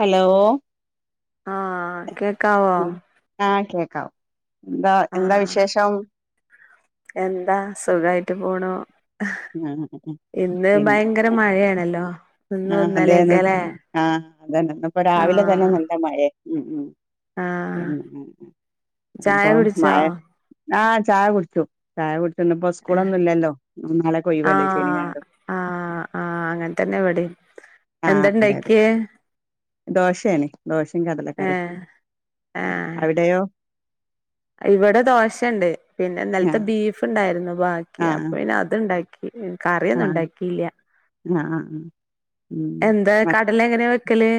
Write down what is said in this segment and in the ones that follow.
Hello ആഹ് കേക്കാവോ? ഉം ആഹ് കേക്കാം, എന്താ എന്താ ആഹ് വിശേഷം? എന്താ സുഖായിട്ട് പോണൂ. ആഹ് ഇന്ന് പിന്നെ ഭയങ്കര മഴയാണല്ലോ. ഇന്നും ആഹ് അതെന്ന്, ഇന്നലെയൊക്കെല്ലേ ആഹ് അതന്നെ ഇന്നിപ്പൊ രാവിലെ തന്നെ ആഹ് നല്ല മഴേ ഉം ഉം. ആഹ് [unintelligible] ചായ ഇപ്പൊ കുടിച്ചോ മഴ ആഹ് ചായ കുടിച്ചു. ചായ കുടിച്ചു, ചെന്നപ്പോ സ്കൂളൊന്നും ഇല്ലല്ലോ, നാളെക്കെ ഒയിവല്ലേ ശെനിയും ആഹ് ഞായറും. ആഹ് ആഹ് അങ്ങൻത്തന്നെ ഇവിടെയും, എന്താണ്ടാക്കിയെ? ദോശയാണ് ദോശയും കടല കറീം ഏഹ് ആഹ് അവിടെയോ? ഇവിടെ ദോശെണ്ട്, പിന്നെ ഇന്നൽത്തെ ആഹ് ബീഫ് ഇണ്ടായിരുന്നു ബാക്കി, ആഹ് അപ്പൊ പിന്നെ അത്ണ്ടാ കറിയൊന്നും ആഹ് ഉണ്ടാക്കിയില്യ. ആഹ് ആഹ് ഉം എന്താ കടല എങ്ങനെയാ വെക്കല്?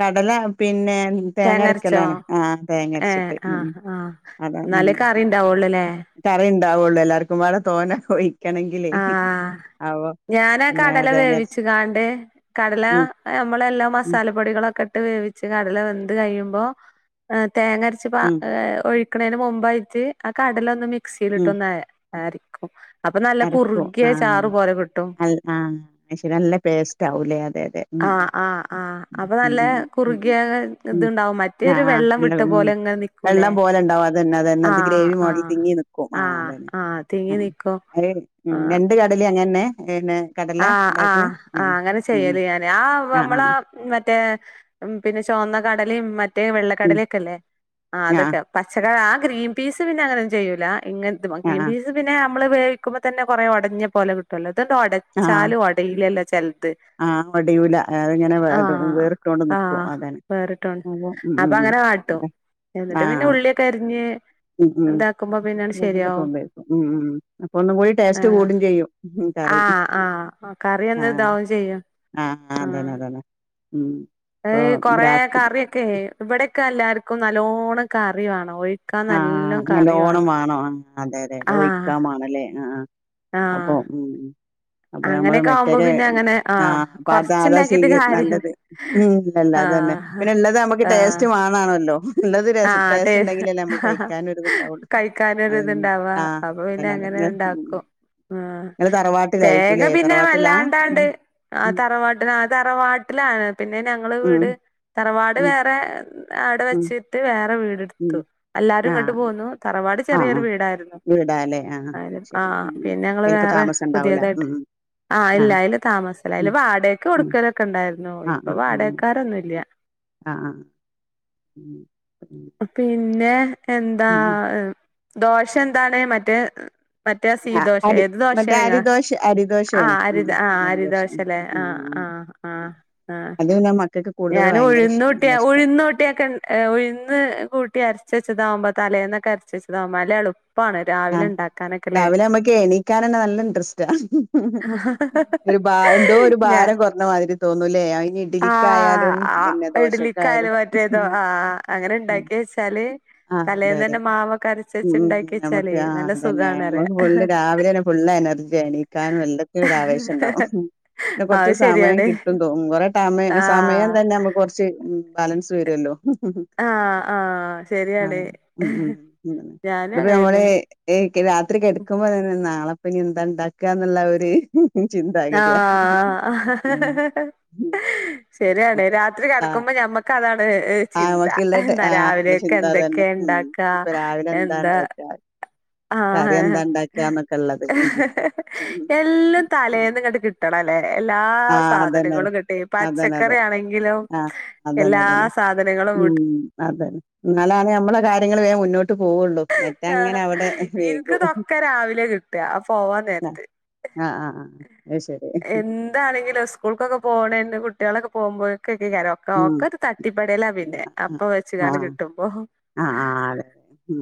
കടല പിന്നെ തേങ്ങരച്ചോ തേങ്ങരക്കലാണ്, ആഹ് ഏഹ് തേങ്ങരച്ചിട്ട് ഉം ഉം ആഹ് ആഹ് അതാ എന്നാലേ കറി ഉണ്ടാവുള്ളലേ കറി ഇണ്ടാവുള്ളൂ, എല്ലാവർക്കും പാടേ തോനെ ഒയി ആഹ് ഞാനാ പിന്നെ കടല തേങ്ങ അരച്ച് വേവിച്ചുങ്ങാണ്ട് കടല ഉം നമ്മളെല്ലാ ഉം മസാലപ്പൊടികളൊക്കെ ഇട്ട് വേവിച്ച് കടല വെന്ത് കഴിയുമ്പോ ആഹ് തേങ്ങരച്ച് പാ ഉം ഏഹ് ഒഴിക്കണെന് മുമ്പായിട്ട് ആഹ് കടലൊന്ന് മിക്സിയിലിട്ട് ഉം ഒന്ന് അഹ് അരക്കും അപ്പൊ നല്ല അരക്കും കുറുകിയ ആഹ് ചാറ് പോലെ കിട്ടും. അൽ ആഹ് അത് ശെരി, നല്ല പേസ്റ്റ് ആവുലേ, അതെ അതെ ഉം ആഹ് ആഹ് ആഹ് അപ്പൊ ഉം നല്ല ഉം ഉം കുറുകിയ ഉം ഇത്ണ്ടാവും മറ്റേരു ആഹ് ആഹ് വെള്ളം നല്ല വിട്ട ഉം പോലെ ഇങ്ങനെ നിക്ക് വെള്ളം പോലെണ്ടാവും അതന്നെ അതന്നെ ഇത് ഗ്രേവി മോഡൽ ആഹ് തിങ്ങി നിക്കും ആഹ് അതന്നെ ആഹ് തിങ്ങി ഉം നിക്കും അത് ആഹ് രണ്ട് കടലേം അങ്ങനന്നെ [unintelligible] ആഹ് ആഹ് ആഹ് അങ്ങനെ ചെയ്യല് ഞാന് ആഹ് ഇമ്മളെ ആഹ് മറ്റേ പിന്നെ ചുവന്ന കടലയും മറ്റേ ഉം വെള്ളക്കടല ഒക്കെല്ലേ ആഹ് അതൊക്കെ പച്ചക്ക ആഹ് ഗ്രീൻ പീസ് പിന്നെ അങ്ങനൊന്നും ചെയ്യൂല ഇങ്ങനത്ത് ഉം ആഹ് ഗ്രീൻ പീസ് അത് പിന്നെ നമ്മള് വേവിക്കുമ്പോ തന്നെ കൊറേ ഒടഞ്ഞ പോലെ കിട്ടുവല്ലോ, ഇതെന്താ ആഹ് ആഹ് ഒടച്ചാലും ഒടയിലല്ലോ ചെൽത് ആഹ് ഒടയൂല, അതിങ്ങനെ ആഹ് വേറിട്ടൊണ്ട് നിക്കും ആഹ് അതാണ് [unintelligible] അപ്പൊ ഉം ഉം അപ്പൊ അങ്ങനെ കാട്ടും, ഉം എന്നിട്ട് ആഹ് പിന്നെ അതെ ഉള്ളിയൊക്കെ അരിഞ്ഞ് എന്താക്കുമ്പോ ഞമ്മക്കൊക്കെ ഒന്നേൽക്കും ഉം ഉം അപ്പ ഒന്നും കൂടി ടേസ്റ്റ് ആഹ് കൂടും ചെയ്യും, കറി ആഹ് ആഹ് കറി ഒന്ന് ആഹ് ഇതാവും ചെയ്യും ആഹ് ആഹ് അതന്നെ അതന്നെ ഉം ഇപ്പൊ കൊറെ രാത്രി കറിയൊക്കെ ഇവിടെക്കെ എല്ലാർക്കും നല്ലോണം കറി വേണം ഒഴി ആഹ് നല്ലോണം വേണം ആഹ് അതെ അതെ ആഹ് ഒഴിക്കാമാണല്ലേ ആഹ് ആഹ് ആഹ് അപ്പൊ ഉം അപ്പൊ നമ്മള് അങ്ങനെയൊക്കെ ആവുമ്പോ മെറ്റക്കെ പിന്നെ അങ്ങനെ ആഹ് പ്പതാ അതാ കൊറച്ചുണ്ടാക്കിട്ട് ചെയ്യാ കാര്യല്ല നല്ലത്. ഉം ഇല്ലല്ല അത് തന്നെ ആഹ് പിന്നെ ഇള്ളത് നമുക്ക് ആഹ് ടേസ്റ്റ് മാണാണല്ലോ ഉള്ളത് രസ ടേസ്റ്റ് ഉണ്ടെങ്കി കഴിക്കാനൊരു അതന്നെ ഇത്ണ്ടാവാ, ആഹ് അപ്പൊ പിന്നെ അതന്നെ അങ്ങനെ അതന്നെ ഉം ഇണ്ടാക്കും. ആഹ് നിങ്ങള് തേങ്ങ തറവാട്ടിലായിരിക്കൂല്ലേ പിന്നെ തറവാട്ടിലാ വല്ലാണ്ടാണ്ട് ഉം ആഹ് ഉം തറവാട്ടന് ആ തറവാട്ടിലാണ് പിന്നെ ഞങ്ങള് വീട് ഉം തറവാട് ഉം വേ പ്പെ അവിടെ ഉം വെച്ചിട്ട് വേറെ വീടെടുത്തു ഉം എല്ലാരും ഇങ്ങട്ട് ആഹ് പോന്നു തറവാട് ആഹ് ചെറിയ ഒരു ആഹ് വീടായിരുന്നു വീടാല്ലേ ആഹ് അും ശരി ആഹ ഉം ഉം പിന്നെ ഞങ്ങള് അയിലിപ്പ വേറെ താമസം ഉണ്ടാവൂല പുതിയതായിട്ട് ഉം ഉം ആഹ് ഇല്ല അയില് താമസല്ല ഉം അതില് വാടകക്ക് ഉം കൊടുക്കല് ഒക്കെ ഇടായിരിന്നു ഇപ്പൊ വാടകക്കാര് ഒന്നും ഇല്ല ആഹ ആ ഉം ഉം പിന്നെ എന്താ ദോശ എന്താണ് മറ്റേ മറ്റേ സീ ആഹ് ദോശ അരി ഏത് മറ്റേ ദോശേണങ്ങ അരിദോശ ആ അരിദോശയാണ് ഉം അരി ഉം. ആ അരിദോശ അല്ലേ ആഹ ആഹ് ആഹ അത് തന്നെ [unintelligible] ഞാൻ ഉഴുന്നോട്ടിയ ഉഴുന്നോട്ടിയക്കൻ ഏ ഉഴന്ന് കൂട്ടിരച്ച് വെച്ചതാകുമ്പോ തലേന്നൊക്കെ അരച്ച് വെച്ചതാവുമ്പോ അല്ലേ ആളും ആഹ രാവിലെ നമ്മക്ക് എണീക്കാൻ അന്നെ നല്ല ഇൻട്രസ്റ്റ ഉം ഉം ഉം ഒരു ഭാ എന്തോ ഒരു ഞാ ഭാരം കൊറഞ്ഞ മാതിരി തോന്നൂലേ ഇനി ഇഡലിക്ക് ആ ആായാൽ ആ ഇഡലിക്കായല് മറ്റേതോ ആഹ അങ്ങനെ ഇണ്ടാക്കി വെച്ചാല് ആഹ് അതെ തലേന്ന് അതെ അന്നെ മാവ് ഒക്കെ അരച്ച് വെച്ച ഇണ്ടാക്കിയ വെച്ചാലെ ആ അതന്നെ നമുക്ക് ഫുള്ള് രാവിലെ ഒരു ഫുള്ള് എനർജി ആയിരിക്കും കാരണം എല്ലത്തിലും ഒരു ആവേശം ഇണ്ടാവും അത് ടെപോർച്ച് സമയം ശരിയാണ് കിട്ടും തോ കുറ തമാ സമയം ആഹ് തന്നെ നമുക്ക് കൊറച്ച് ബാലൻസ് [unintelligible] വരുല്ലോ ആഹ് ആഹ് ആ ശരിയാണ് ഉ ഉെ ഞാനും അപ്പ അങ്ങനെന്നെ നമ്മള് ഏക്ക് രാത്രി കെടക്കുമ്പോ തന്നെ നാളെപ്പനി എന്താ ഉണ്ടാക്കാന്നുള്ള ഒരു ആ ചിന്താഗതിയാ [unintelligible] ശരിയാണ് രാത്രി ഏഹ് കെടക്കുമ്പോ ഞമ്മക്ക് ക്ക അതാണ് ആ ചിന്ത നമുക്കുള്ള ട- എന്താ ആ അത് രാവിലെയൊക്കെ ചിന്ത എന്തൊക്കെ അതന്നെ ഉം എണ്ടാക്കാ ഇപ്പൊ രാവിലെ എന്താ ഉണ്ടാക്കാ ആഹ കറി എന്താ ഉണ്ടാക്കാന്നൊക്കെ ഉള്ളത് ഉം ഹഹ ഉം എല്ലാം ഉം. തലേന്ന് ഇങ്ങട് കിട്ടണം അല്ലേ എല്ലാ ആ അതന്നെ സാധനങ്ങളും ങ്ങട്ട് അതന്നെ പച്ചക്കറ അതെ ആണെങ്കിലും ആ എല്ലാ സ സാധനങ്ങളും വട്ട് അതെ ഇന്നാലാണ് ഞമ്മടെ കാര്യങ്ങള് വേ മുന്നോട്ട് ഇട്ട് പോവുള്ളു മറ്റ ആഹ് അങ്ങനെ അവിടെ വെയ്ക്കും ഇൻക്ക്തൊക്കെ രാവിലെ കിട്ടാ ആ പോവാൻ നേരത്ത് ആഹ് ആഹ് ആ അത് ശരി എന്ത് ആണെങ്കിലും സ്കൂൾകൊക്കെ പോകണന് കുട്ടികള് ഒക്കെ പോകുമ്പോഴക്ക ക്കെ കരോ ഉം കൊക്ക് ഒരു തട്ടിപ്പടലാ പിന്നെ ആ അപ്പൊ വെച്ച് ആ ക്കാണ്ട് കിട്ടുമ്പോ ഉ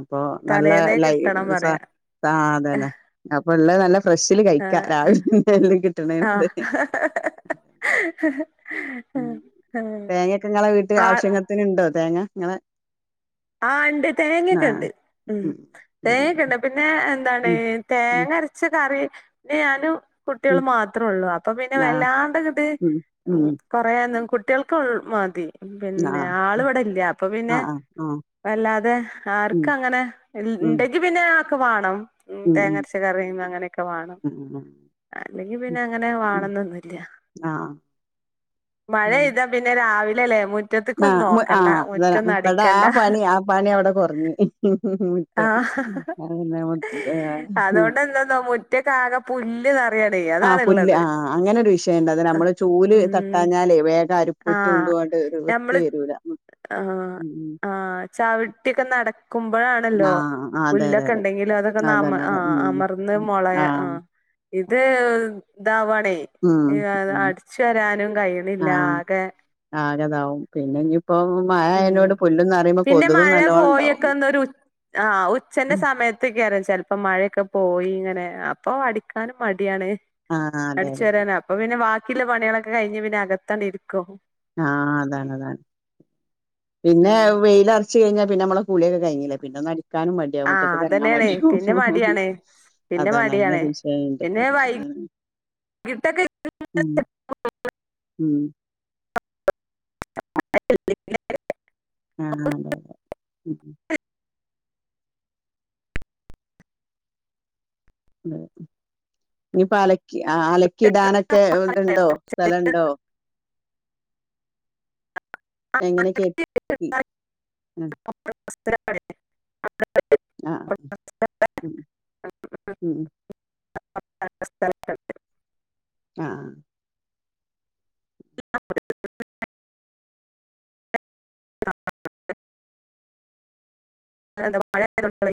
അപ്പൊ നല്ല തലേന്നേ കിട്ടണം ലൈസാ പറയാ ആ അതെന്നെ അപ്പൊ ഒള്ളത് നല്ല ഫ്രഷില് കഴിക്കാം ആഹ് രാവിലെ എ എല്ലാം കിട്ടണൂടെ ആഹ് [unintelligible] ഉ തേങ്ങ ഒക്കെ നിങ്ങള വീട്ടിൽ ആഹ് ആവശ്യങ്ങക്ക് ഇണ്ടോ തേങ്ങ ഇങ്ങെ ആ ണ്ട് തേങ്ങ ഒക്കെണ്ട് ഉ ഉം അതെ അതെ തേങ്ങക്കണ്ട് പിന്നെ എന്താണ് ഉം ഉം തേങ്ങരച്ച കറി പിന്നെ ഞാനും കുട്ടികൾ ഉം മാത്രള്ളൂ അപ്പ പിന്നെ ആഹ് വല്ലാണ്ട് അങ്ങട്ട് ഉം ഉം കൊറന്നും കുട്ടികൾക്ക് മതി പിന്നെ ആൾ ഇവിടെ ഇല്ല അപ്പൊ പിന്നെ ആഹ വല്ലാതെ ആർക്ക അങ്ങനെ ഉം ഇണ്ടെങ്കി പിന്നെ ആക്ക് വാണം ഉ ഉം തേങ്ങരച്ച കറിയും അങ്ങനെയൊക്കെ മാണം ഉം അല്ലെങ്കി ആഹ് പിന്നെ അങ്ങനെ ഉം വാണണോന്നന്നും ഇല്ല ആഹ് മഴ ഇതാ പിന്നെ രാവിലല്ലെ മുൻ നാ ആ ആ അതല്ല അവടെ ആ പണി ആ പണി അവിടെ കുറഞ്ഞി ഇക്കി ഉം ഉം ഉം മുറ്റ ആഹ് അന്നെ [unintelligible] മുറ്റകാകെ പുല്ല് നേർ ആഹ് പുല്ല് ആ അങ്ങനെ ഒരു വിഷയം ഇണ്ട് അത് നമ്മള് ചൂല് ഉം തട്ടാഞ്ഞാല് വേഗം ആരും ആ മുറ്റം തും അണ്ട് വൃത്തി ഞമ്മള് വരൂല ആ ഉം ആഹ് ചവിട്ടിയൊക്കെ നടക്കുമ്പോഴാണ് ണ്ടല്ലോ ആഹ് അതെ അതെ പുല്ലൊക്കെ അതെ ഒണ്ടെങ്കില് അതൊക്കെ ഒന്ന് അമ അതന്നെ ആ അതെ ഉം അമർന്ന് മുളയ ആഹ് ഇത് ദാവാണേ ഉം ത് ഉം അടിച്ചു വാരാനും കഴിയണില്ല ആകെ ആഗതാവും പിന്നെ ഇനിയിപ്പോ മയ ഉം ആയനോട് പുല്ലൊന്ന് അറിയുമ്പോ കൊതുകും നല്ലോണ്ണം ഉണ്ടാവും ആഹ് ഉച്ചേന്റെ സമയത്തൊക്കാര്ന്നു ചെലപ്പോ മഴയൊക്ക പോയി ഇങ്ങനെ അപ്പൊ അടിക്കാനും മടിയാണ് ആഹ് അതെ അടിച്ചു അതെ അതെ വാരാന അപ്പൊ പിന്നെ ബാക്കിയൊള്ള പണികളൊക്കെ കഴിഞ്ഞ് പിന്നെ അകത്താണ്ടിരിക്കും ആഹ് അതാണ് അതാണ് പിന്നെ ഉം വെയിലാ ഉച്ച കഴിഞ്ഞാ പിന്നെ നമ്മള കുളിയൊക്കെ കഴിഞ്ഞില്ലേ പിന്നെ ഒന്നടിക്കാനും മടിയാകും ആഹ് മുറ്റത്ത്ക്ക് എറങ്ങാൻ അതന്നെയാണ് പിന്നെ മടിയാവും മടിയാണ് പിന്നെ അതാണ് മടിയാണ് അങ്ങനൊരു വിഷെണ്ട് അതാണ് കിട്ടൊക്കെ ഉം ഉം [unintelligible] ആഹ് വോ ഉം ഉം നി പാല കി ആ അലക്കിടാനൊക്കെ ഇതുണ്ടോ സ്ഥലുണ്ടോ എങ്ങനെക്കെ [unintelligible] [unintelligible] ആഹ് ഉം ഉം അ അ സ്ഥല ആഹ് [inaudible] അ മഴ ആയതോണ്ടെ